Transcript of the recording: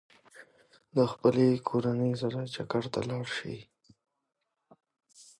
د خپلې کورنۍ سره چکر ته لاړ شئ.